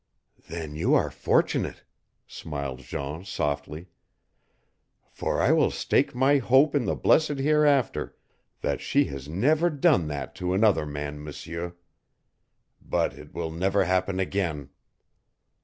"Then you are fortunate," smiled Jean softly, "for I will stake my hope in the blessed hereafter that she has never done that to another man, M'seur. But it will never happen again."